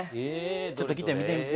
ちょっと来て見てみて。